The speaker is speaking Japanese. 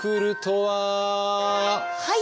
はい！